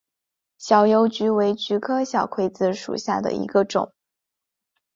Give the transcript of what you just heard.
小油菊为菊科小葵子属下的一个种。